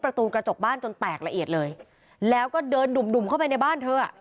ประตูกระจกบ้านจนแตกละเอียดเลยแล้วก็เดินดุ่มดุ่มเข้าไปในบ้านเธออ่ะ